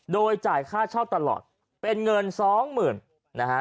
โดยจ่ายค่าเช่าตลอดเป็นเงินสองหมื่นนะฮะ